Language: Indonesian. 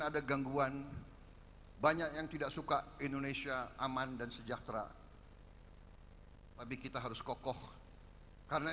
ada gangguan banyak yang tidak suka indonesia aman dan sejahtera tapi kita harus kokoh karena